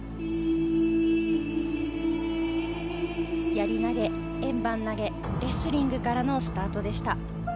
やり投げ、円盤投げレスリングからのスタートでした。